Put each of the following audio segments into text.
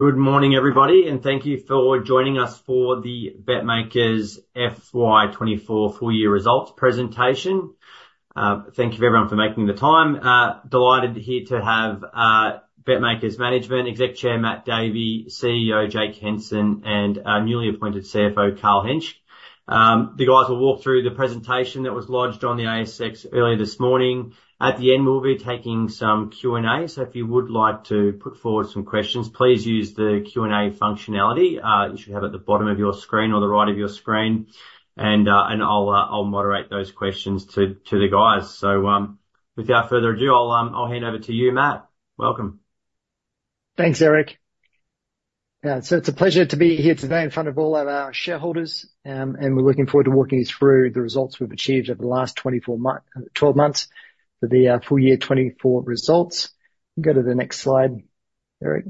Good morning, everybody, and thank you for joining us for the BetMakers FY 2024 full year results presentation. Thank you for everyone for making the time. Delighted here to have BetMakers management, exec chair, Matt Davey, CEO, Jake Henson, and our newly appointed CFO, Carl Henschke. The guys will walk through the presentation that was lodged on the ASX earlier this morning. At the end, we'll be taking some Q&A. So if you would like to put forward some questions, please use the Q&A functionality you should have at the bottom of your screen or the right of your screen, and I'll moderate those questions to the guys. So, without further ado, I'll hand over to you, Matt. Welcome. Thanks, Eric. Yeah, so it's a pleasure to be here today in front of all of our shareholders, and we're looking forward to walking you through the results we've achieved over the last 24 months, twelve months for the full year 24 results. Go to the next slide, Eric.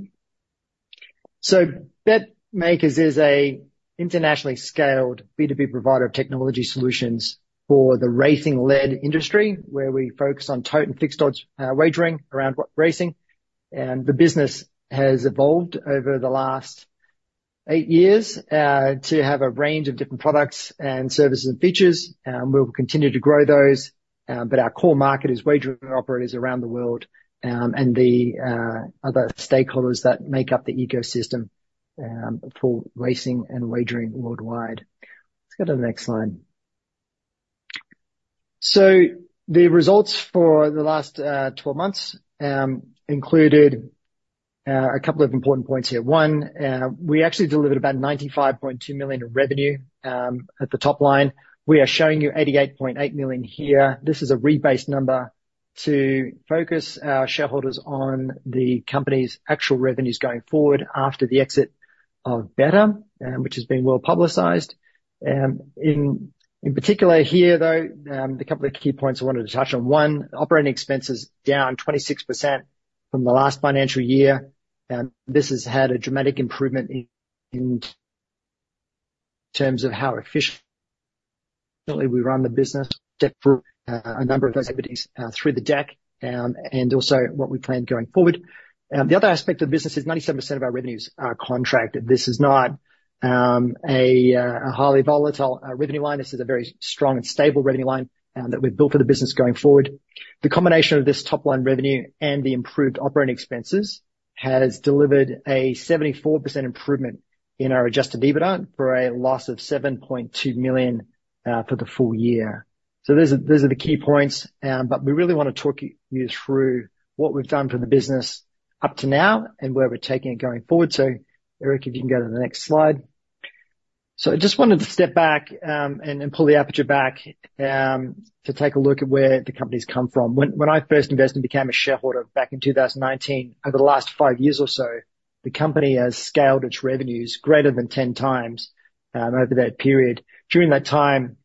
So BetMakers is a internationally scaled B2B provider of technology solutions for the racing-led industry, where we focus on tote and fixed odds wagering around racing. And the business has evolved over the last eight years to have a range of different products and services and features. We'll continue to grow those, but our core market is wagering operators around the world, and the other stakeholders that make up the ecosystem for racing and wagering worldwide. Let's go to the next slide. The results for the last twelve months included a couple of important points here. One, we actually delivered about 95.2 million in revenue at the top line. We are showing you 88.8 million here. This is a rebased number to focus our shareholders on the company's actual revenues going forward after the exit of Betr, which has been well-publicized. In particular here, though, the couple of key points I wanted to touch on. One, operating expenses down 26% from the last financial year, and this has had a dramatic improvement in terms of how efficiently we run the business, a number of those equities through the deck, and also what we plan going forward. The other aspect of the business is 97% of our revenues are contracted. This is not a highly volatile revenue line. This is a very strong and stable revenue line that we've built for the business going forward. The combination of this top line revenue and the improved operating expenses has delivered a 74% improvement in our adjusted EBITDA for a loss of 7.2 million for the full year. So those are the key points, but we really wanna talk you through what we've done for the business up to now and where we're taking it going forward. So Eric, if you can go to the next slide. So I just wanted to step back and pull the aperture back to take a look at where the company's come from. When I first invested and became a shareholder back in two thousand and nineteen, over the last five years or so, the company has scaled its revenues greater than 10 times over that period. During that time,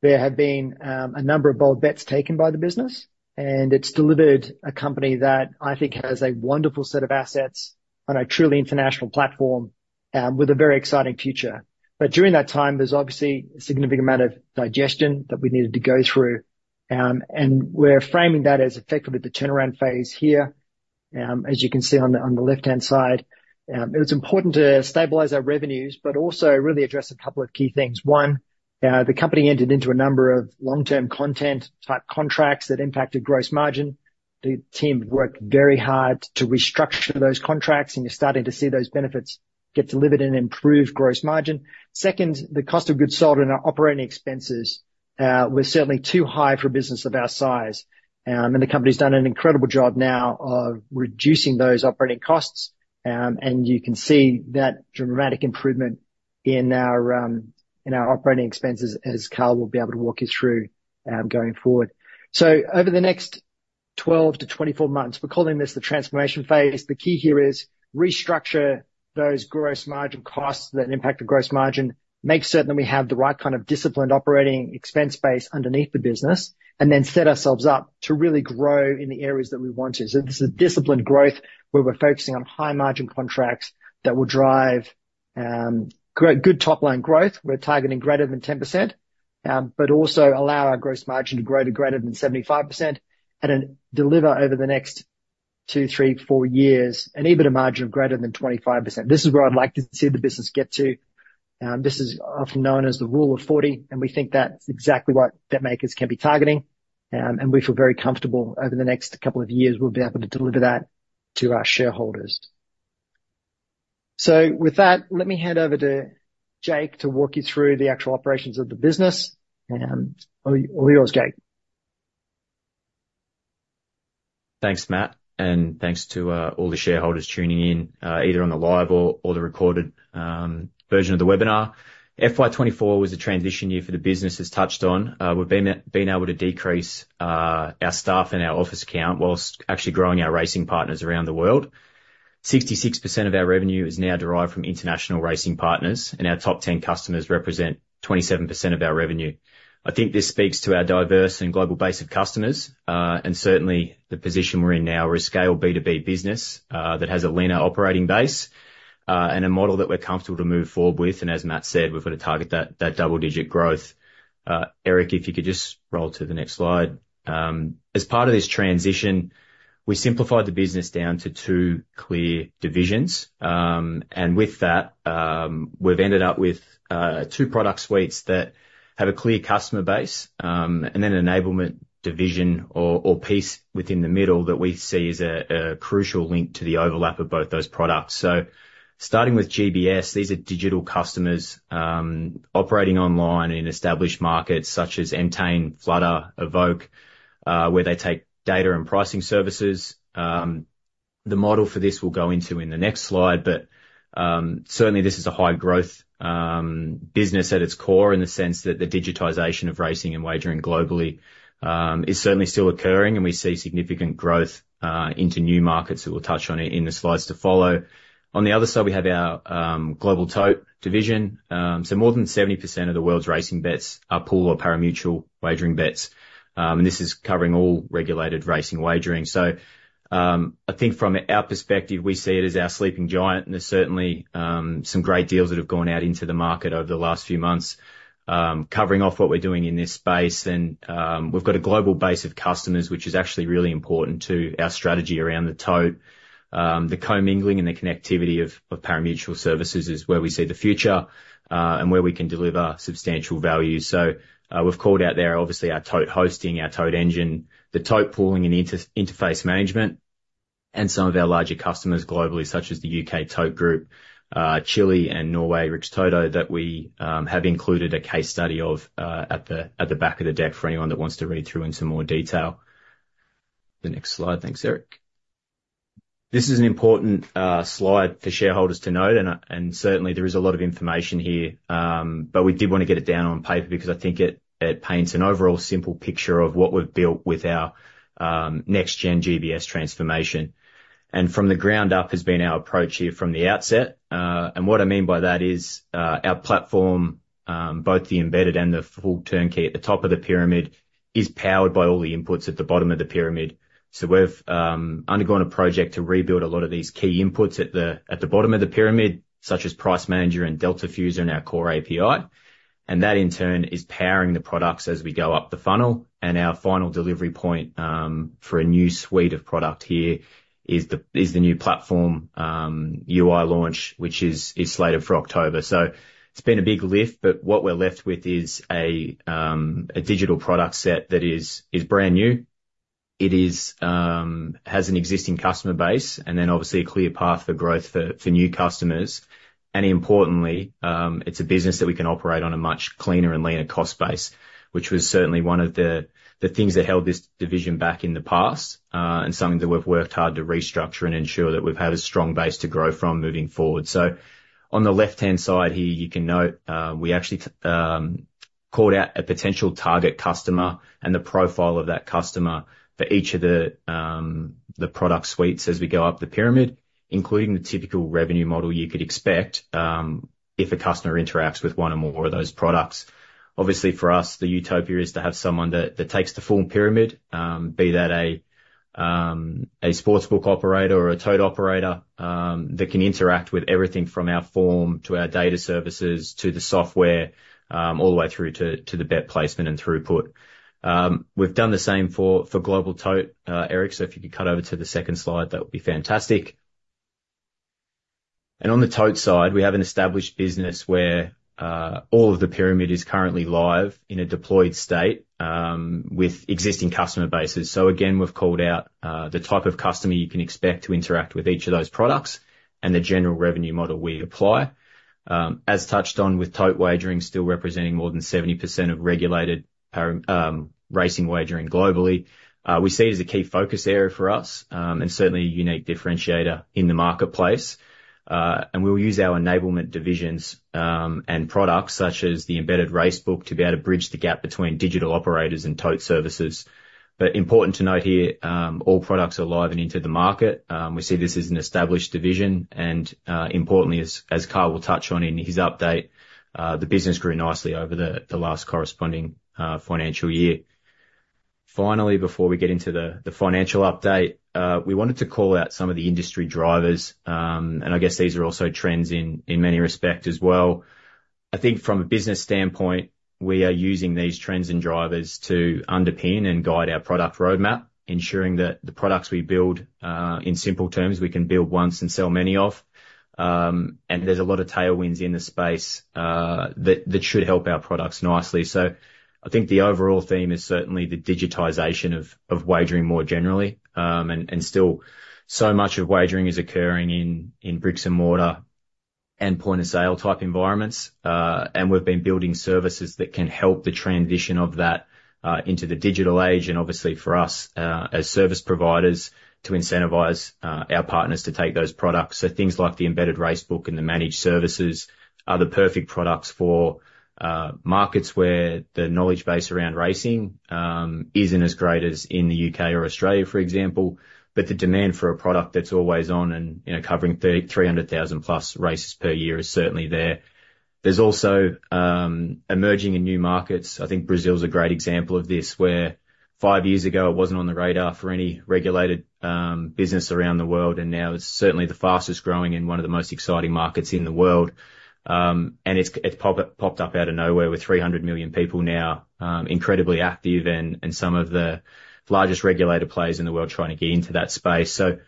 there have been a number of bold bets taken by the business, and it's delivered a company that I think has a wonderful set of assets on a truly international platform with a very exciting future. But during that time, there's obviously a significant amount of digestion that we needed to go through. And we're framing that as effectively the turnaround phase here. As you can see on the left-hand side, it was important to stabilize our revenues, but also really address a couple of key things. One, the company entered into a number of long-term content type contracts that impacted gross margin. The team worked very hard to restructure those contracts, and you're starting to see those benefits get delivered in an improved gross margin. Second, the cost of goods sold and our operating expenses were certainly too high for a business of our size, and the company's done an incredible job now of reducing those operating costs, and you can see that dramatic improvement in our operating expenses, as Carl will be able to walk you through, going forward, so over the next 12 to 24 months, we're calling this the transformation phase. The key here is restructure those gross margin costs that impact the gross margin, make certain that we have the right kind of disciplined operating expense base underneath the business, and then set ourselves up to really grow in the areas that we want to. So this is a disciplined growth, where we're focusing on high margin contracts that will drive, grow good top-line growth. We're targeting greater than 10%, but also allow our gross margin to grow to greater than 75% and then deliver over the next two, three, four years, an EBITDA margin of greater than 25%. This is where I'd like to see the business get to. This is often known as the Rule of 40, and we think that's exactly what BetMakers can be targeting. And we feel very comfortable over the next couple of years, we'll be able to deliver that to our shareholders. So with that, let me hand over to Jake to walk you through the actual operations of the business, and all yours, Jake. Thanks, Matt, and thanks to all the shareholders tuning in either on the live or the recorded version of the webinar. FY 2024 was a transition year for the business as touched on. We've been able to decrease our staff and our office count while actually growing our racing partners around the world.... 66% of our revenue is now derived from international racing partners, and our top 10 customers represent 27% of our revenue. I think this speaks to our diverse and global base of customers, and certainly the position we're in now. We're a scale B2B business that has a leaner operating base, and a model that we're comfortable to move forward with, and as Matt said, we've got to target that double-digit growth. Eric, if you could just roll to the next slide. As part of this transition, we simplified the business down to two clear divisions. And with that, we've ended up with two product suites that have a clear customer base, and then an enablement division or piece within the middle that we see as a crucial link to the overlap of both those products. So starting with GBS, these are digital customers operating online in established markets such as Entain, Flutter, Evoke, where they take data and pricing services. The model for this we'll go into in the next slide, but certainly this is a high-growth business at its core, in the sense that the digitization of racing and wagering globally is certainly still occurring, and we see significant growth into new markets that we'll touch on in the slides to follow. On the other side, we have our Global Tote division. So more than 70% of the world's racing bets are pool or parimutuel wagering bets, and this is covering all regulated racing wagering. So, I think from our perspective, we see it as our sleeping giant, and there's certainly some great deals that have gone out into the market over the last few months. Covering off what we're doing in this space, and, we've got a global base of customers, which is actually really important to our strategy around the tote. The commingling and the connectivity of parimutuel services is where we see the future, and where we can deliver substantial value. We've called out there, obviously, our tote hosting, our tote engine, the tote pooling and inter-interface management, and some of our larger customers globally, such as the UK Tote Group, Chile and Norway's Rikstoto, that we have included a case study of at the back of the deck for anyone that wants to read through in some more detail. The next slide. Thanks, Eric. This is an important slide for shareholders to note, and certainly there is a lot of information here, but we did want to get it down on paper because I think it paints an overall simple picture of what we've built with our NextGen GBS transformation and from the ground up has been our approach here from the outset. And what I mean by that is, our platform, both the embedded and the full turnkey at the top of the pyramid, is powered by all the inputs at the bottom of the pyramid. So we've undergone a project to rebuild a lot of these key inputs at the bottom of the pyramid, such as Price Manager and Delta Feeds and our core API, and that, in turn, is powering the products as we go up the funnel. And our final delivery point for a new suite of product here is the new platform UI launch, which is slated for October. So it's been a big lift, but what we're left with is a digital product set that is brand new. It has an existing customer base, and then obviously a clear path for growth for new customers, and importantly, it's a business that we can operate on a much cleaner and leaner cost base, which was certainly one of the things that held this division back in the past, and something that we've worked hard to restructure and ensure that we've had a strong base to grow from moving forward, so on the left-hand side here, you can note, we actually called out a potential target customer and the profile of that customer for each of the product suites as we go up the pyramid, including the typical revenue model you could expect, if a customer interacts with one or more of those products. Obviously, for us, the utopia is to have someone that takes the full pyramid, be that a sportsbook operator or a tote operator, that can interact with everything from our form to our data services, to the software, all the way through to the bet placement and throughput. We've done the same for Global Tote. Eric, so if you could cut over to the second slide, that would be fantastic, and on the tote side, we have an established business where all of the pyramid is currently live in a deployed state, with existing customer bases. So again, we've called out the type of customer you can expect to interact with each of those products and the general revenue model we apply. As touched on with tote wagering, still representing more than 70% of regulated parimutuel racing wagering globally, we see it as a key focus area for us, and certainly a unique differentiator in the marketplace. And we'll use our enablement divisions, and products, such as the Embedded Racebook, to be able to bridge the gap between digital operators and tote services. But important to note here, all products are live and into the market. We see this as an established division, and, importantly, as Carl will touch on in his update, the business grew nicely over the last corresponding financial year. Finally, before we get into the financial update, we wanted to call out some of the industry drivers, and I guess these are also trends in many respects as well. I think from a business standpoint, we are using these trends and drivers to underpin and guide our product roadmap, ensuring that the products we build, in simple terms, we can build once and sell many of, and there's a lot of tailwinds in the space, that should help our products nicely, so I think the overall theme is certainly the digitization of wagering more generally, and still, so much of wagering is occurring in bricks and mortar and point-of-sale type environments, and we've been building services that can help the transition of that into the digital age, and obviously, for us, as service providers, to incentivize our partners to take those products. Things like the Embedded Racebook and the Managed Services are the perfect products for markets where the knowledge base around racing isn't as great as in the U.K. or Australia, for example, but the demand for a product that's always on and, you know, covering thirty-three hundred thousand plus races per year is certainly there. There's also emerging in new markets, I think Brazil is a great example of this, where five years ago, it wasn't on the radar for any regulated business around the world, and now it's certainly the fastest growing and one of the most exciting markets in the world. It's popped up out of nowhere, with three hundred million people now incredibly active and some of the largest regulated players in the world trying to get into that space. So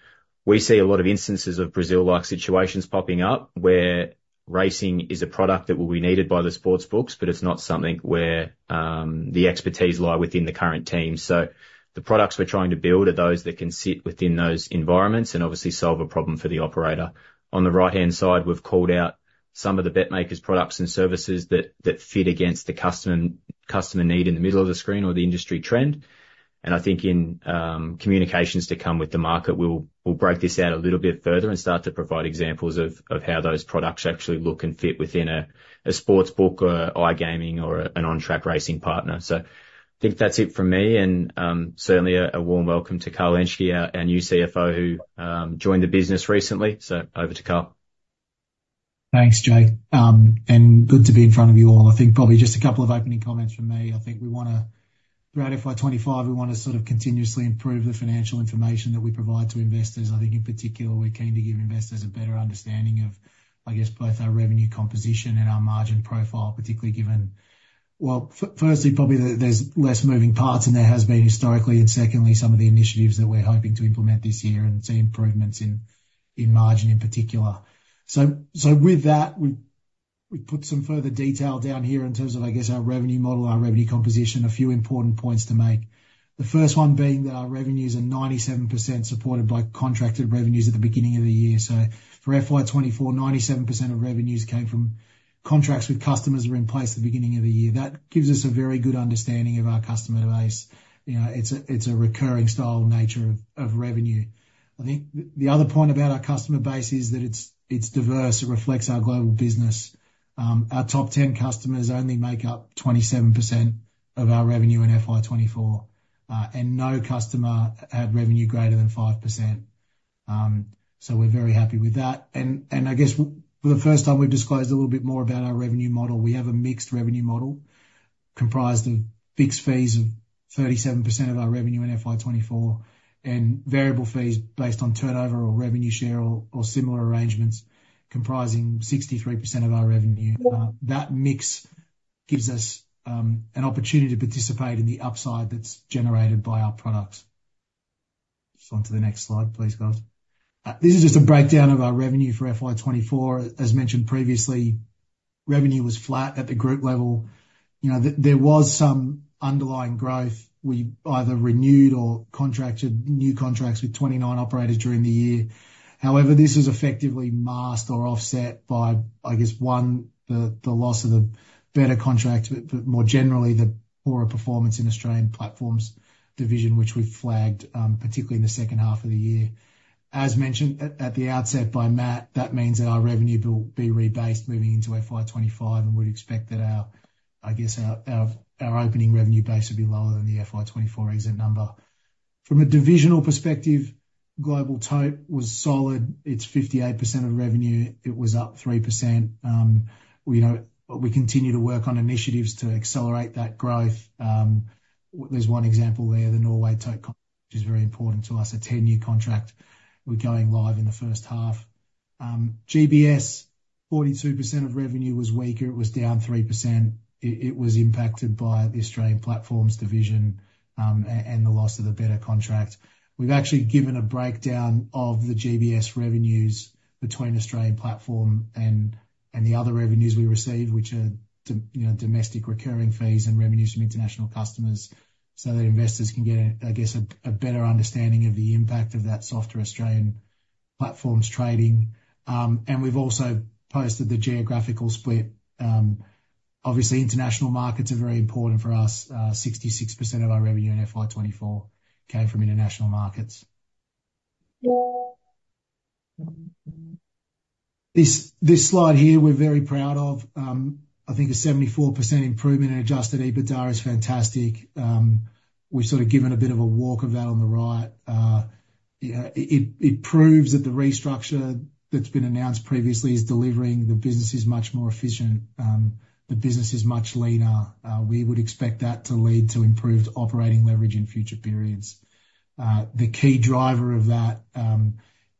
we see a lot of instances of Brazil-like situations popping up, where racing is a product that will be needed by the sportsbooks, but it's not something where the expertise lie within the current team. So the products we're trying to build are those that can sit within those environments and obviously solve a problem for the operator. On the right-hand side, we've called out some of the BetMakers products and services that fit against the customer need in the middle of the screen or the industry trend. And I think in communications to come with the market, we'll break this out a little bit further and start to provide examples of how those products actually look and fit within a sportsbook, or iGaming, or an on-track racing partner. So I think that's it for me, and certainly a warm welcome to Carl Henschke, our new CFO, who joined the business recently. So over to Carl. Thanks, Jake. And good to be in front of you all. I think probably just a couple of opening comments from me. I think we wanna, throughout FY 2025 we wanna sort of continuously improve the financial information that we provide to investors. I think in particular, we're keen to give investors a better understanding of, I guess, both our revenue composition and our margin profile, particularly given. Well, firstly, probably, there, there's less moving parts than there has been historically, and secondly, some of the initiatives that we're hoping to implement this year and see improvements in, in margin, in particular. So with that, we've put some further detail down here in terms of, I guess, our revenue model, our revenue composition, a few important points to make. The first one being that our revenues are 97% supported by contracted revenues at the beginning of the year. So for FY 2024, 97% of revenues came from contracts with customers that were in place at the beginning of the year. That gives us a very good understanding of our customer base. You know, it's a recurring style nature of revenue. I think the other point about our customer base is that it's diverse. It reflects our global business. Our top 10 customers only make up 27% of our revenue in FY 2024, and no customer had revenue greater than 5%. So we're very happy with that. I guess for the first time, we've disclosed a little bit more about our revenue model. We have a mixed revenue model comprised of fixed fees of 37% of our revenue in FY 2024, and variable fees based on turnover, or revenue share, or similar arrangements, comprising 63% of our revenue. That mix gives us an opportunity to participate in the upside that's generated by our products. Just on to the next slide, please, guys. This is just a breakdown of our revenue for FY 2024. As mentioned previously, revenue was flat at the group level. You know, there was some underlying growth. We either renewed or contracted new contracts with 29 operators during the year. However, this was effectively masked or offset by, I guess, one, the loss of a Betr contract, but more generally, the poorer performance in Australian Platforms division, which we've flagged, particularly in the second half of the year. As mentioned at the outset by Matt, that means that our revenue will be rebased moving into FY 2025, and we'd expect that our opening revenue base would be lower than the FY 2024 exit number. From a divisional perspective, Global Tote was solid. It's 58% of revenue. It was up 3%. We continue to work on initiatives to accelerate that growth. There's one example there, the Norway Tote, which is very important to us, a ten-year contract. We're going live in the first half. GBS, 42% of revenue was weaker. It was down 3%. It was impacted by the Australian Platforms division, and the loss of the Betr contract. We've actually given a breakdown of the GBS revenues between Australian Platform and the other revenues we receive, which are, you know, domestic recurring fees and revenues from international customers, so that investors can get a, I guess, a better understanding of the impact of that softer Australian Platforms trading. And we've also posted the geographical split. Obviously, international markets are very important for us. 66% of our revenue in FY 2024 came from international markets. This slide here, we're very proud of. I think a 74% improvement in adjusted EBITDA is fantastic. We've sort of given a bit of a walk of that on the right. You know, it proves that the restructure that's been announced previously is delivering. The business is much more efficient. The business is much leaner. We would expect that to lead to improved operating leverage in future periods. The key driver of that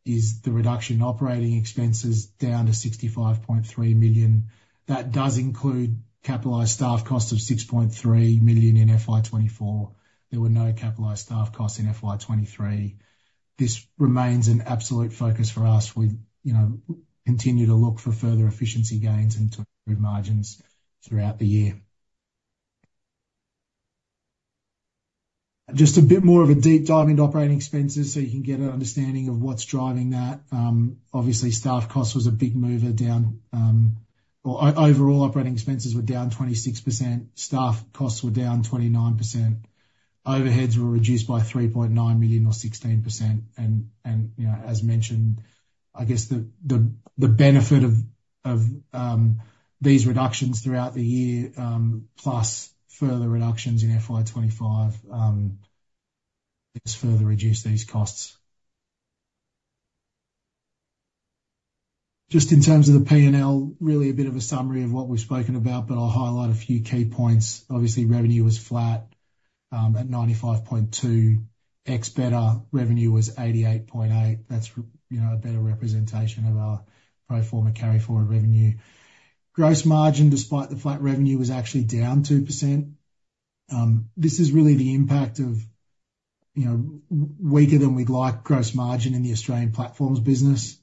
is the reduction in operating expenses, down to 65.3 million. That does include capitalized staff costs of 6.3 million in FY 2024. There were no capitalized staff costs in FY 2023. This remains an absolute focus for us. We, you know, continue to look for further efficiency gains and to improve margins throughout the year. Just a bit more of a deep dive into operating expenses, so you can get an understanding of what's driving that. Obviously, staff cost was a big mover down, or overall, operating expenses were down 26%. Staff costs were down 29%. Overheads were reduced by 3.9 million, or 16%. You know, as mentioned, I guess, the benefit of these reductions throughout the year, plus further reductions in FY 2025, has further reduced these costs. Just in terms of the P&L, really a bit of a summary of what we've spoken about, but I'll highlight a few key points. Obviously, revenue was flat at 95.2. Ex-Betr revenue was 88.8. That's, you know, a better representation of our pro forma carry forward revenue. Gross margin, despite the flat revenue, was actually down 2%. This is really the impact of, you know, weaker than we'd like gross margin in the Australian Platforms business.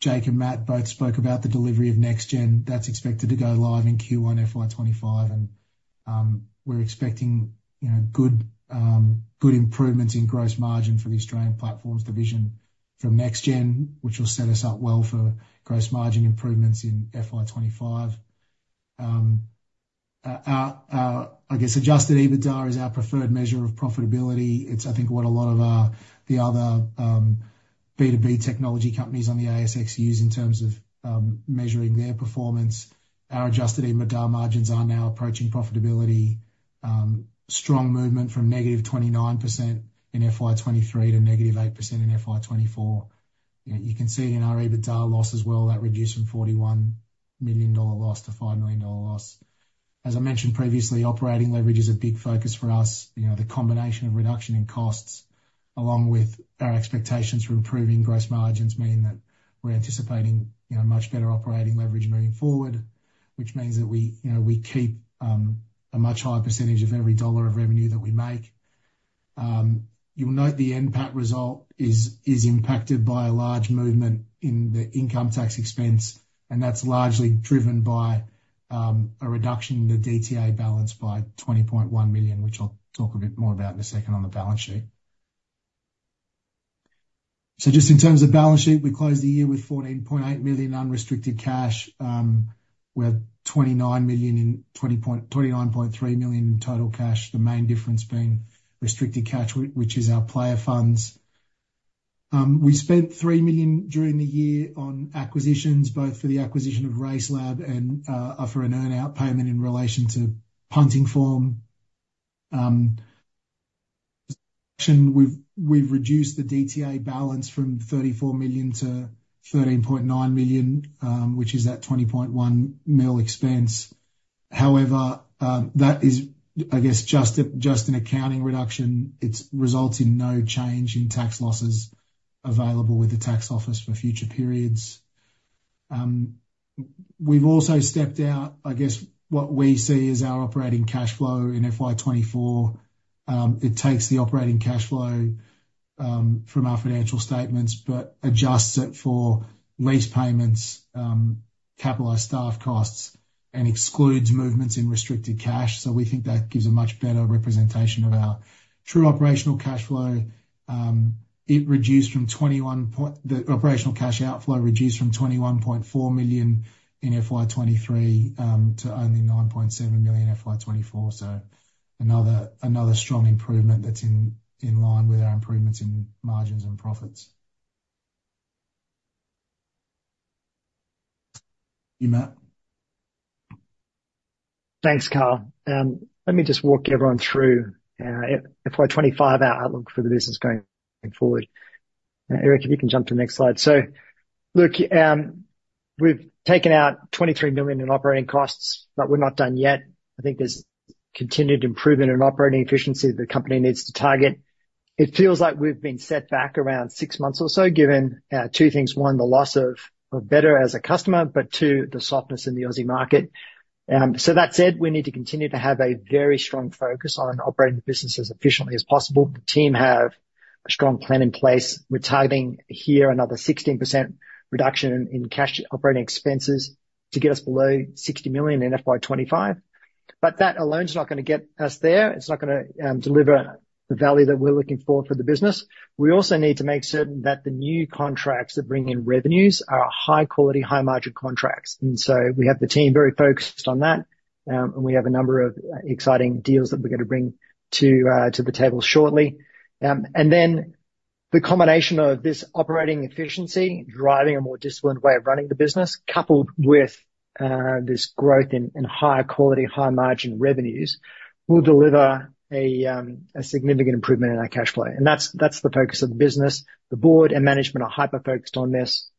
Jake and Matt both spoke about the delivery of NextGen. That's expected to go live in Q1 FY 2025, and we're expecting, you know, good improvements in gross margin for the Australian Platforms division from NextGen, which will set us up well for gross margin improvements in FY 2025. Our adjusted EBITDA is our preferred measure of profitability. It's what a lot of the other B2B technology companies on the ASX use in terms of measuring their performance. Our adjusted EBITDA margins are now approaching profitability. Strong movement from negative 29% in FY 2023 to negative 8% in FY 2024. You know, you can see in our EBITDA loss as well, that reduced from $41 million loss to $5 million loss. As I mentioned previously, operating leverage is a big focus for us. You know, the combination of reduction in costs, along with our expectations for improving gross margins, mean that we're anticipating, you know, much better operating leverage moving forward, which means that we, you know, we keep a much higher percentage of every dollar of revenue that we make. You will note the NPAT result is impacted by a large movement in the income tax expense, and that's largely driven by a reduction in the DTA balance by 20.1 million, which I'll talk a bit more about in a second on the balance sheet. So just in terms of balance sheet, we closed the year with 14.8 million unrestricted cash. We had 29.3 million in total cash, the main difference being restricted cash, which is our player funds. We spent 3 million during the year on acquisitions, both for the acquisition of RaceLab and for an earn-out payment in relation to Punting Form. We've reduced the DTA balance from 34 million to 13.9 million, which is that 20.1 million expense. However, that is, I guess, just an accounting reduction. It results in no change in tax losses available with the tax office for future periods. We've also stepped out, I guess, what we see as our operating cashflow in FY 2024. It takes the operating cashflow from our financial statements, but adjusts it for lease payments, capitalized staff costs, and excludes movements in restricted cash. So we think that gives a much better representation of our true operational cashflow. It reduced from 21.4 million in FY 2023 to only 9.7 million in FY 2024. So another strong improvement that's in line with our improvements in margins and profits. You, Matt? Thanks, Carl. Let me just walk everyone through FY 2025, our outlook for the business going forward. Eric, if you can jump to the next slide. So look, we've taken out 23 million in operating costs, but we're not done yet. I think there's continued improvement in operating efficiency the company needs to target. It feels like we've been set back around six months or so, given two things: one, the loss of Betr as a customer, but two, the softness in the Aussie market. So that said, we need to continue to have a very strong focus on operating the business as efficiently as possible. The team have a strong plan in place. We're targeting here another 16% reduction in cash operating expenses to get us below 60 million in FY 2025. But that alone is not gonna get us there. It's not gonna deliver the value that we're looking for the business. We also need to make certain that the new contracts that bring in revenues are high quality, high margin contracts, and so we have the team very focused on that, and we have a number of exciting deals that we're gonna bring to the table shortly. And then the combination of this operating efficiency, driving a more disciplined way of running the business, coupled with this growth in higher quality, high margin revenues, will deliver a significant improvement in our cash flow. And that's the focus of the business. The board and management are hyper-focused on this.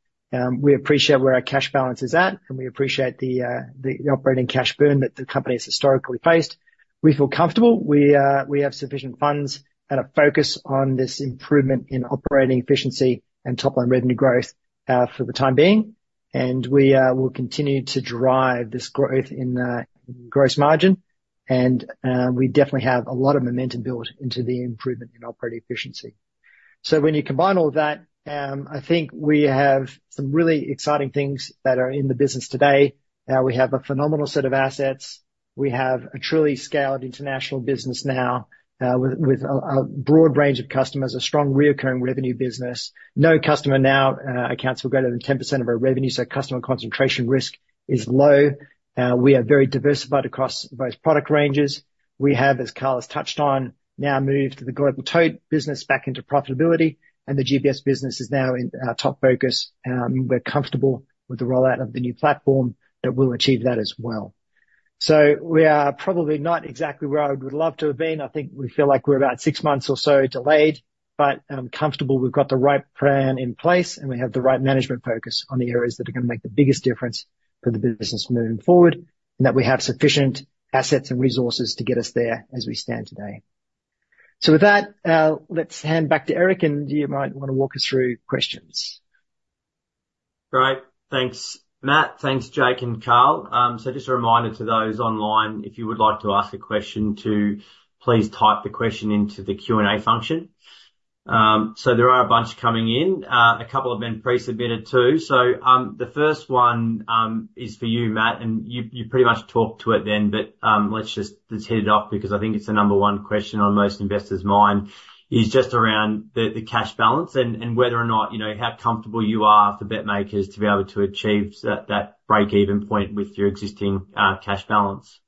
We appreciate where our cash balance is at, and we appreciate the operating cash burn that the company has historically faced. We feel comfortable. We have sufficient funds and a focus on this improvement in operating efficiency and top-line revenue growth for the time being, and we will continue to drive this growth in gross margin, and we definitely have a lot of momentum built into the improvement in operating efficiency, so when you combine all that, I think we have some really exciting things that are in the business today. Now we have a phenomenal set of assets. We have a truly scaled international business now, with a broad range of customers, a strong recurring revenue business. No customer now accounts for greater than 10% of our revenue, so customer concentration risk is low. We are very diversified across those product ranges. We have, as Carl has touched on, now moved the Global Tote business back into profitability, and the GBS business is now in our top focus, and we're comfortable with the rollout of the new platform that will achieve that as well. So we are probably not exactly where I would love to have been. I think we feel like we're about six months or so delayed, but I'm comfortable we've got the right plan in place, and we have the right management focus on the areas that are gonna make the biggest difference for the business moving forward, and that we have sufficient assets and resources to get us there as we stand today. So with that, let's hand back to Eric, and you might wanna walk us through questions. Great! Thanks, Matt. Thanks, Jake and Carl. Just a reminder to those online, if you would like to ask a question, to please type the question into the Q&A function. There are a bunch coming in. A couple have been pre-submitted, too. The first one is for you, Matt, and you pretty much talked to it then, but let's hit it off, because I think it's the number one question on most investors' mind, is just around the cash balance and whether or not, you know, how comfortable you are for BetMakers to be able to achieve that breakeven point with your existing cash balance.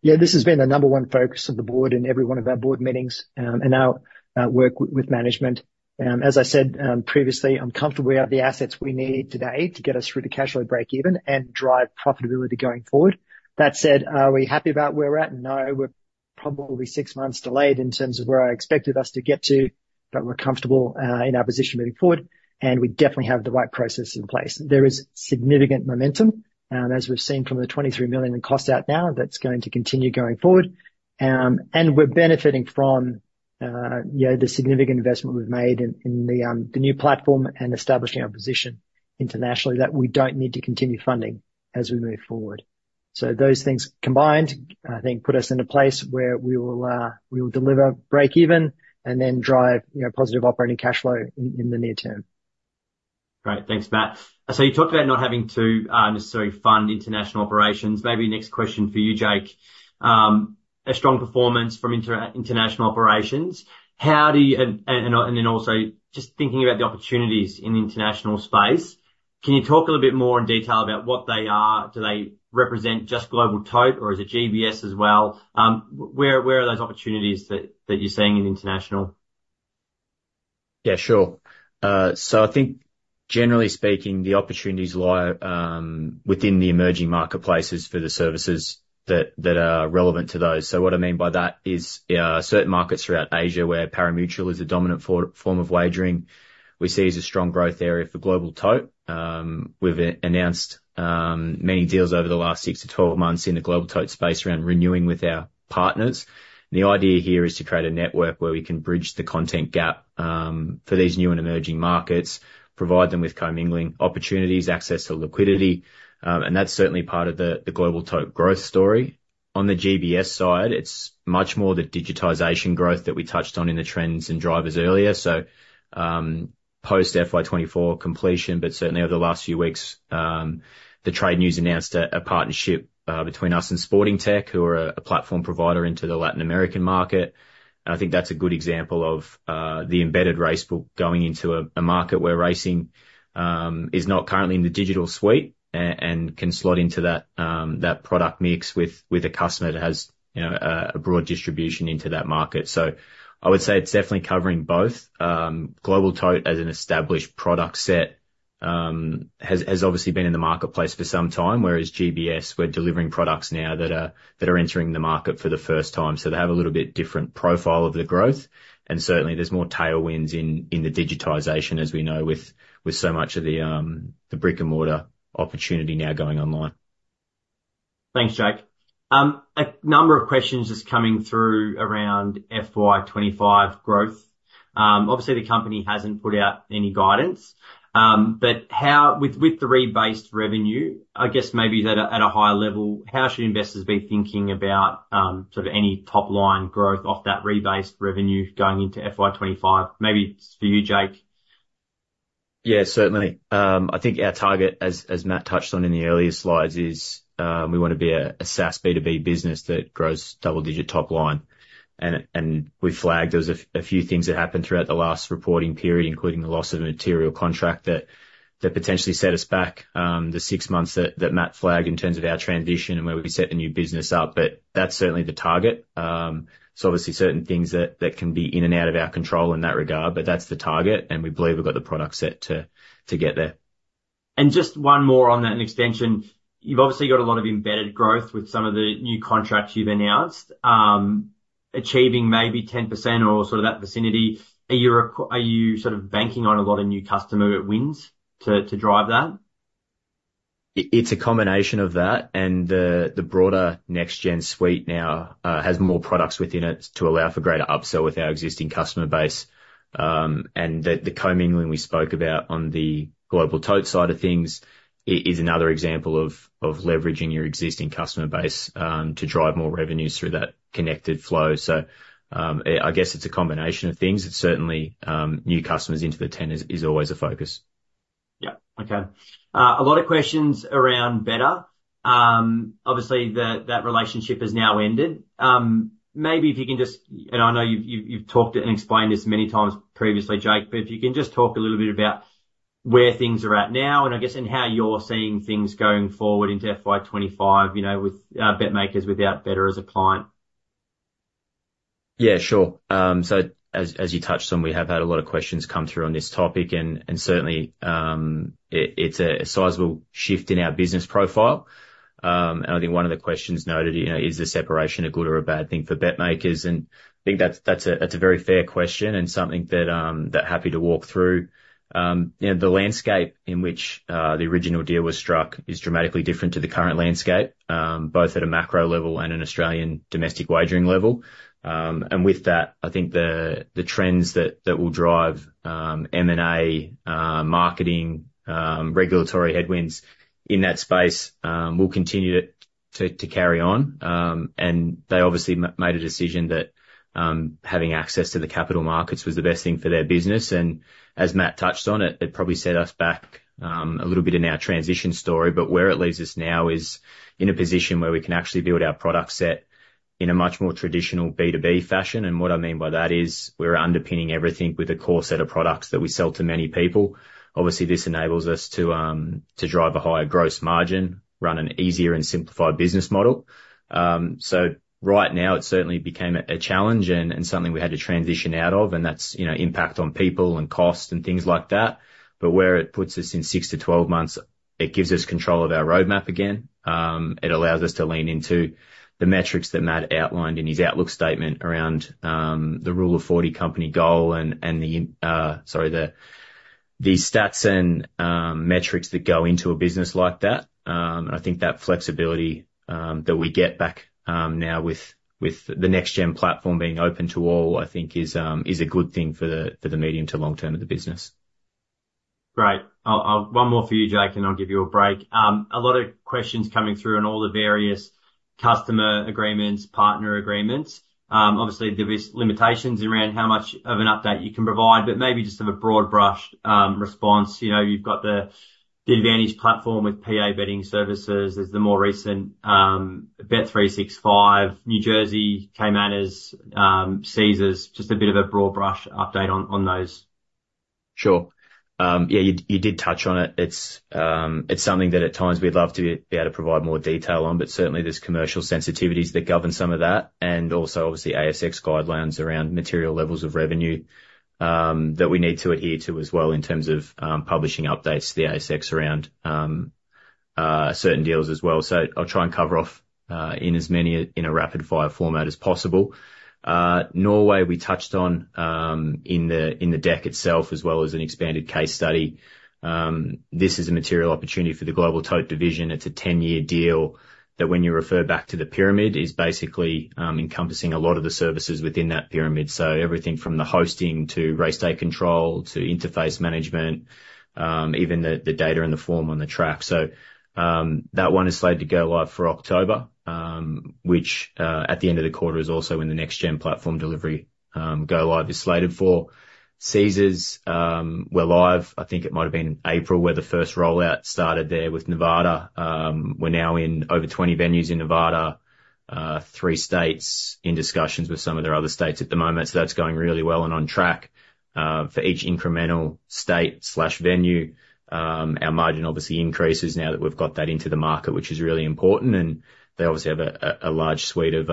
Yeah, this has been the number one focus of the board in every one of our board meetings, and our work with management. As I said, previously, I'm comfortable we have the assets we need today to get us through the cash flow breakeven and drive profitability going forward. That said, are we happy about where we're at? No, we're probably six months delayed in terms of where I expected us to get to, but we're comfortable in our position moving forward, and we definitely have the right process in place. There is significant momentum, as we've seen from the $23 million in cost out now, that's going to continue going forward. And we're benefiting from, you know, the significant investment we've made in the new platform and establishing our position internationally, that we don't need to continue funding as we move forward. So those things combined, I think, put us in a place where we will deliver break even and then drive, you know, positive operating cashflow in the near term. Great. Thanks, Matt. So you talked about not having to necessarily fund international operations. Maybe next question for you, Jake. A strong performance from international operations, how do you... And then also, just thinking about the opportunities in the international space, can you talk a little bit more in detail about what they are? Do they represent just Global Tote, or is it GBS as well? Where are those opportunities that you're seeing in international? Yeah, sure. So I think generally speaking, the opportunities lie within the emerging marketplaces for the services that are relevant to those. So what I mean by that is, certain markets throughout Asia, where parimutuel is a dominant form of wagering, we see as a strong growth area for Global Tote. We've announced many deals over the last six to 12 months in the Global Tote space around renewing with our partners. The idea here is to create a network where we can bridge the content gap for these new and emerging markets, provide them with commingling opportunities, access to liquidity, and that's certainly part of the Global Tote growth story. On the GBS side, it's much more the digitization growth that we touched on in the trends and drivers earlier. Post FY 2024 completion, but certainly over the last few weeks, the trade news announced a partnership between us and Sportingtech, who are a platform provider into the Latin American market. I think that's a good example of the Embedded Racebook going into a market where racing is not currently in the digital suite, and can slot into that product mix with a customer that has you know a broad distribution into that market. I would say it's definitely covering both. Global Tote, as an established product set, has obviously been in the marketplace for some time, whereas GBS, we're delivering products now that are entering the market for the first time. So they have a little bit different profile of the growth, and certainly there's more tailwinds in the digitization, as we know, with so much of the brick-and-mortar opportunity now going online. Thanks, Jake. A number of questions just coming through around FY 2025 growth. Obviously, the company hasn't put out any guidance, but how, with the rebased revenue, I guess maybe at a higher level, how should investors be thinking about sort of any top line growth off that rebased revenue going into FY 2025? Maybe it's for you, Jake. Yeah, certainly. I think our target, as Matt touched on in the earlier slides, is, we wanna be a SaaS B2B business that grows double-digit top line. And we flagged there was a few things that happened throughout the last reporting period, including the loss of a material contract that potentially set us back, the six months that Matt flagged in terms of our transition and where we set the new business up. But that's certainly the target. So obviously, certain things that can be in and out of our control in that regard, but that's the target, and we believe we've got the product set to get there. Just one more on that extension. You've obviously got a lot of embedded growth with some of the new contracts you've announced. Achieving maybe 10% or sort of that vicinity, are you sort of banking on a lot of new customer wins to drive that? It's a combination of that and the broader NextGen suite now has more products within it to allow for greater upsell with our existing customer base, and the commingling we spoke about on the Global Tote side of things is another example of leveraging your existing customer base to drive more revenues through that connected flow, so I guess it's a combination of things. It's certainly new customers into the tent is always a focus. Yep, okay. A lot of questions around Betr. Obviously, that relationship has now ended. Maybe if you can just, and I know you've talked and explained this many times previously, Jake, but if you can just talk a little bit about where things are at now, and I guess, and how you're seeing things going forward into FY 2025, you know, with BetMakers without Betr as a client. Yeah, sure. So as you touched on, we have had a lot of questions come through on this topic, and certainly, it's a sizable shift in our business profile. And I think one of the questions noted, you know, is the separation a good or a bad thing for BetMakers? And I think that's a very fair question, and something that I'm happy to walk through. You know, the landscape in which the original deal was struck is dramatically different to the current landscape, both at a macro level and an Australian domestic wagering level. And with that, I think the trends that will drive M&A, marketing, regulatory headwinds in that space will continue to carry on. And they obviously made a decision that, having access to the capital markets was the best thing for their business. And as Matt touched on it, it probably set us back a little bit in our transition story, but where it leaves us now is in a position where we can actually build our product set in a much more traditional B2B fashion. And what I mean by that is, we're underpinning everything with a core set of products that we sell to many people. Obviously, this enables us to to drive a higher gross margin, run an easier and simplified business model. So right now it certainly became a challenge and something we had to transition out of, and that's, you know, impact on people and cost and things like that. But where it puts us in six to twelve months, it gives us control of our roadmap again. It allows us to lean into the metrics that Matt outlined in his outlook statement around the Rule of 40 company goal and the stats and metrics that go into a business like that. And I think that flexibility that we get back now with the NextGen platform being open to all, I think is a good thing for the medium to long term of the business. Great. I'll. One more for you, Jake, and I'll give you a break. A lot of questions coming through on all the various customer agreements, partner agreements. Obviously, there is limitations around how much of an update you can provide, but maybe just have a broad brush response. You know, you've got the AdVantage Platform with PA Betting Services, there's the more recent Bet365, New Jersey, Caymanas, Caesars. Just a bit of a broad-brush update on those. Sure. Yeah, you did touch on it. It's something that at times we'd love to be able to provide more detail on, but certainly there's commercial sensitivities that govern some of that, and also, obviously, ASX guidelines around material levels of revenue that we need to adhere to as well in terms of publishing updates to the ASX around certain deals as well. So I'll try and cover off in as many, in a rapid-fire format as possible. Norway, we touched on in the deck itself, as well as an expanded case study. This is a material opportunity for the Global Tote division. It's a ten-year deal, that when you refer back to the pyramid, is basically encompassing a lot of the services within that pyramid. So everything from the hosting to race day control, to interface management, even the data and the form on the track. That one is slated to go live for October, which at the end of the quarter is also when the NextGen platform delivery go live is slated for. Caesars, we're live. I think it might have been in April where the first rollout started there with Nevada. We're now in over 20 venues in Nevada, three states, in discussions with some of their other states at the moment. That's going really well and on track. For each incremental state or venue, our margin obviously increases now that we've got that into the market, which is really important, and they obviously have a large suite of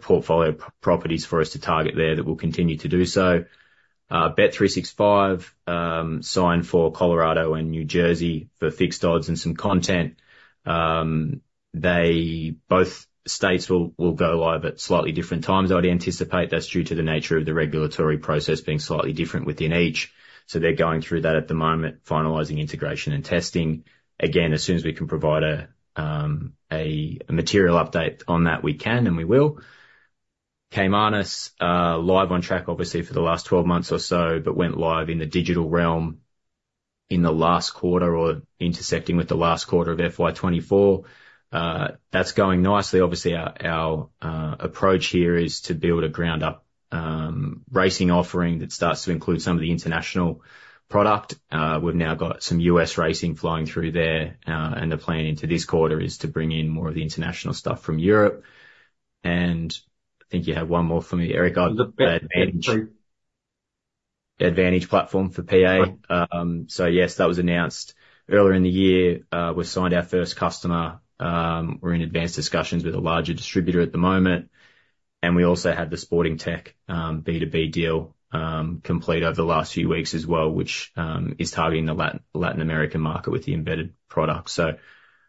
portfolio properties for us to target there, that we'll continue to do so. Bet365 signed for Colorado and New Jersey for fixed odds and some content. Both states will go live at slightly different times. I'd anticipate that's due to the nature of the regulatory process being slightly different within each. So they're going through that at the moment, finalizing integration and testing. Again, as soon as we can provide a material update on that, we can and we will. Caymanas, live on track, obviously for the last twelve months or so, but went live in the digital realm in the last quarter, or intersecting with the last quarter of FY 2024. That's going nicely. Obviously, our approach here is to build a ground up racing offering that starts to include some of the international product. We've now got some US racing flowing through there, and the plan into this quarter is to bring in more of the international stuff from Europe. And I think you had one more for me, Eric. The Bet- The AdVantage Platform for PA. Right. So yes, that was announced earlier in the year. We signed our first customer, we're in advanced discussions with a larger distributor at the moment. And we also had the Sportingtech B2B deal complete over the last few weeks as well, which is targeting the Latin American market with the embedded product. So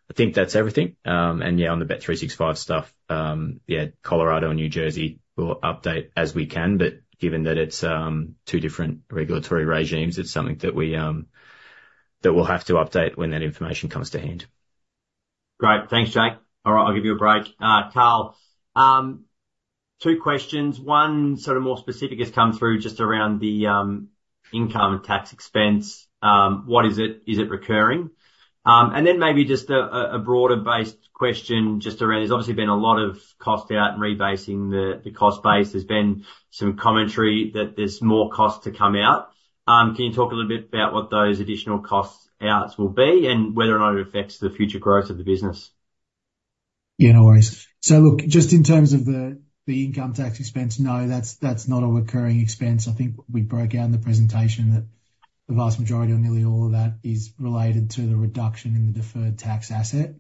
I think that's everything. And yeah, on the Bet365 stuff, yeah, Colorado and New Jersey, we'll update as we can, but given that it's two different regulatory regimes, it's something that we'll have to update when that information comes to hand. Great. Thanks, Jake. All right, I'll give you a break. Carl, two questions. One, sort of more specific, has come through just around the income tax expense. What is it? Is it recurring? And then maybe just a broader-based question just around, there's obviously been a lot of cost out and rebasing the cost base. There's been some commentary that there's more cost to come out. Can you talk a little bit about what those additional costs outs will be, and whether or not it affects the future growth of the business? Yeah, no worries. So look, just in terms of the income tax expense, no, that's not a recurring expense. I think we broke out in the presentation that the vast majority or nearly all of that is related to the reduction in the deferred tax asset.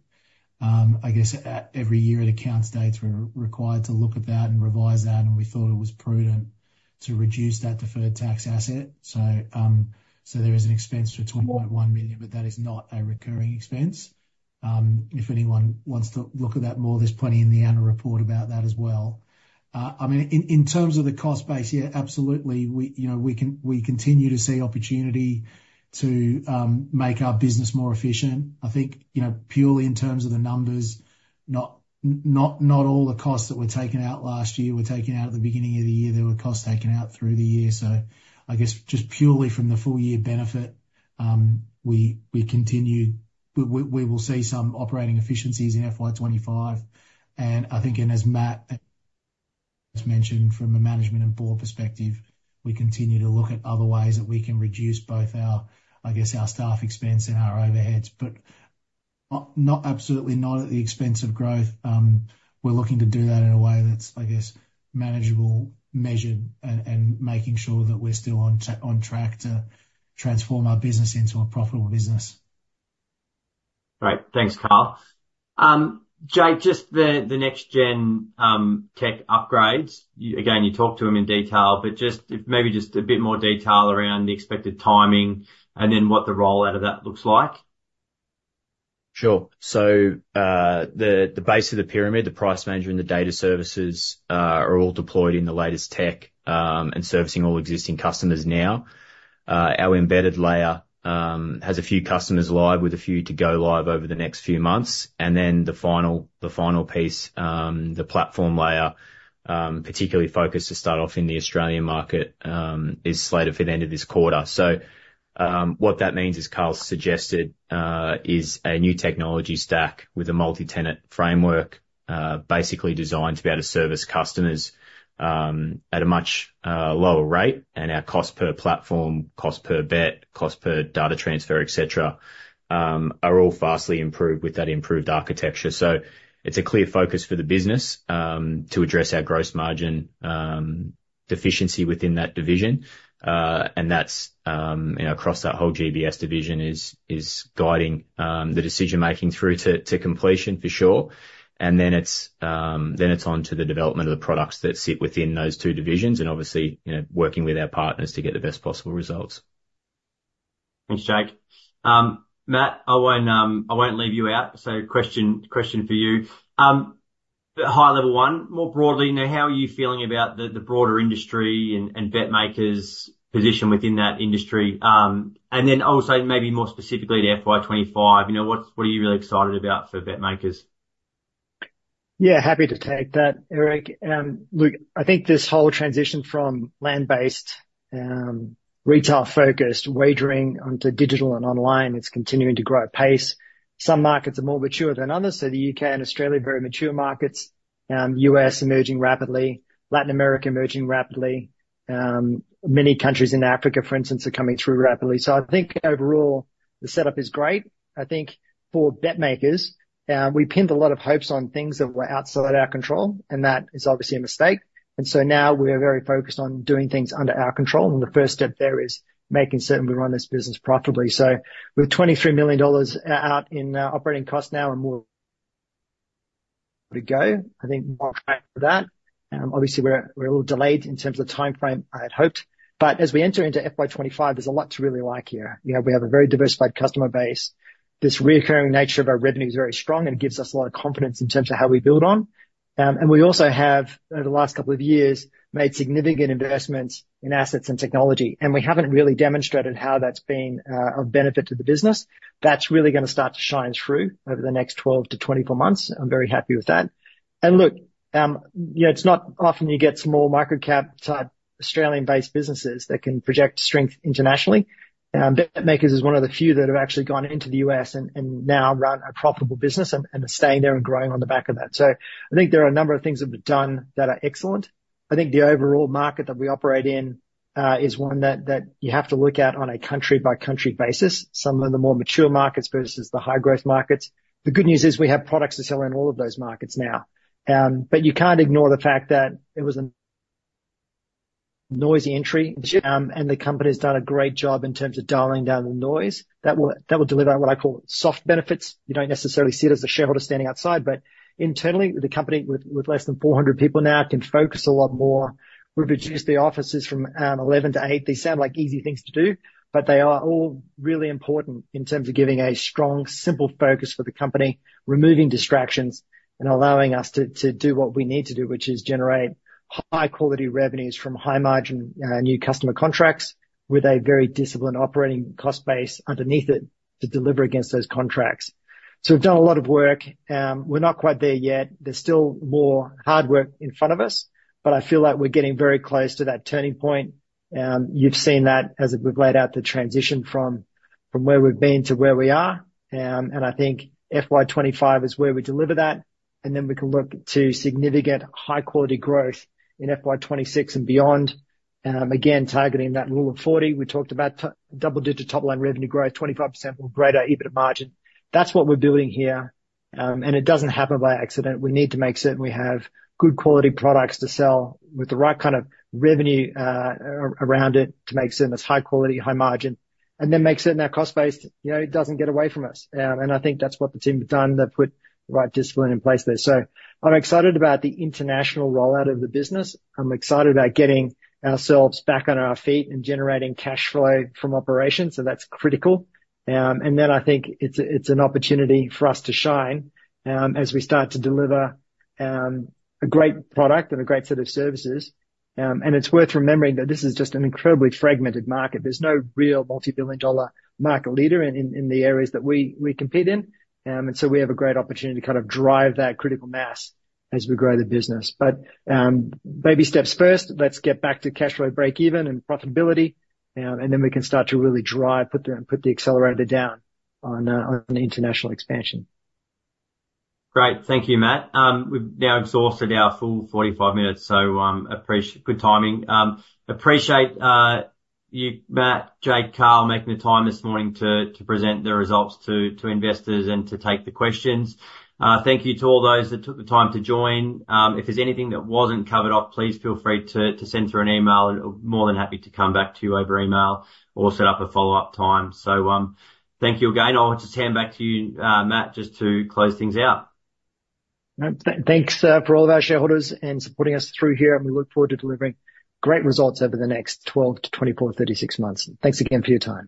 I guess at every year at accounts dates, we're required to look at that and revise that, and we thought it was prudent to reduce that deferred tax asset. So there is an expense for 21 million, but that is not a recurring expense. If anyone wants to look at that more, there's plenty in the annual report about that as well. I mean, in terms of the cost base, yeah, absolutely, we, you know, we can, we continue to see opportunity to make our business more efficient. I think, you know, purely in terms of the numbers, not all the costs that were taken out last year were taken out at the beginning of the year. There were costs taken out through the year. So I guess, just purely from the full year benefit, we will see some operating efficiencies in FY 2025. And I think, and as Matt has mentioned, from a management and board perspective, we continue to look at other ways that we can reduce both our, I guess, our staff expense and our overheads. But, not absolutely, not at the expense of growth. We're looking to do that in a way that's, I guess, manageable, measured, and making sure that we're still on track to transform our business into a profitable business. Great. Thanks, Carl. Jake, just the NextGen tech upgrades. Again, you talked to them in detail, but maybe just a bit more detail around the expected timing, and then what the roll out of that looks like. Sure. So, the base of the pyramid, the price manager and the data services, are all deployed in the latest tech, and servicing all existing customers now. Our embedded layer has a few customers live, with a few to go live over the next few months. And then the final piece, the platform layer, particularly focused to start off in the Australian market, is slated for the end of this quarter. So, what that means, as Carl suggested, is a new technology stack with a multi-tenant framework, basically designed to be able to service customers at a much lower rate. And our cost per platform, cost per bet, cost per data transfer, et cetera, are all vastly improved with that improved architecture. It's a clear focus for the business to address our gross margin deficiency within that division. That's you know across that whole GBS division is guiding the decision making through to completion for sure. It's on to the development of the products that sit within those two divisions, and obviously you know working with our partners to get the best possible results. Thanks, Jake. Matt, I won't leave you out, so question for you. The high level one, more broadly, now, how are you feeling about the broader industry and BetMakers' position within that industry? And then also, maybe more specifically to FY 2025, you know, what's... What are you really excited about for BetMakers? Yeah, happy to take that, Eric. Look, I think this whole transition from land-based, retail-focused wagering onto digital and online, it's continuing to grow at pace. Some markets are more mature than others, so the UK and Australia are very mature markets, US emerging rapidly, Latin America emerging rapidly. Many countries in Africa, for instance, are coming through rapidly. So I think overall, the setup is great. I think for BetMakers, we pinned a lot of hopes on things that were outside our control, and that is obviously a mistake. And so now we are very focused on doing things under our control, and the first step there is making certain we run this business profitably. So with 23 million dollars out in operating costs now and more to go, I think more for that. Obviously, we're a little delayed in terms of the timeframe I had hoped, but as we enter into FY 2025, there's a lot to really like here. You know, we have a very diversified customer base. This recurring nature of our revenue is very strong and gives us a lot of confidence in terms of how we build on, and we also have, over the last couple of years, made significant investments in assets and technology, and we haven't really demonstrated how that's been of benefit to the business. That's really gonna start to shine through over the next 12 to 24 months. I'm very happy with that, and look, you know, it's not often you get some more micro-cap type Australian-based businesses that can project strength internationally. BetMakers is one of the few that have actually gone into the U.S. and now run a profitable business and are staying there and growing on the back of that. So I think there are a number of things that have been done that are excellent. I think the overall market that we operate in is one that you have to look at on a country-by-country basis, some of the more mature markets versus the high-growth markets. The good news is we have products that sell in all of those markets now. But you can't ignore the fact that it was a noisy entry and the company's done a great job in terms of dialing down the noise. That will deliver what I call soft benefits. You don't necessarily see it as a shareholder standing outside, but internally, the company with less than four hundred people now can focus a lot more. We've reduced the offices from 11 to eight. These sound like easy things to do, but they are all really important in terms of giving a strong, simple focus for the company, removing distractions, and allowing us to do what we need to do, which is generate high-quality revenues from high-margin new customer contracts with a very disciplined operating cost base underneath it to deliver against those contracts. So we've done a lot of work, we're not quite there yet. There's still more hard work in front of us, but I feel like we're getting very close to that turning point. You've seen that as we've laid out the transition from where we've been to where we are, and I think FY 2025 is where we deliver that, and then we can look to significant high quality growth in FY 2026 and beyond. Again, targeting that Rule of 40, we talked about double-digit top-line revenue growth, 25% or greater EBIT margin. That's what we're building here, and it doesn't happen by accident. We need to make certain we have good quality products to sell with the right kind of revenue around it, to make certain it's high quality, high margin, and then make certain our cost base, you know, doesn't get away from us. And I think that's what the team have done. They've put the right discipline in place there, so I'm excited about the international rollout of the business. I'm excited about getting ourselves back on our feet and generating cash flow from operations, so that's critical. And then I think it's an opportunity for us to shine as we start to deliver a great product and a great set of services. And it's worth remembering that this is just an incredibly fragmented market. There's no real multi-billion dollar market leader in the areas that we compete in. And so we have a great opportunity to kind of drive that critical mass as we grow the business, but baby steps first. Let's get back to cash flow, breakeven and profitability, and then we can start to really drive, put the accelerator down on international expansion. Great. Thank you, Matt. We've now exhausted our full forty-five minutes, so, good timing. Appreciate you, Matt, Jake, Carl, making the time this morning to present the results to investors and to take the questions. Thank you to all those that took the time to join. If there's anything that wasn't covered off, please feel free to send through an email, and more than happy to come back to you over email or set up a follow-up time. Thank you again. I'll just hand back to you, Matt, just to close things out. No, thanks for all of our shareholders in supporting us through here, and we look forward to delivering great results over the next 12 to 24, 36 months. Thanks again for your time.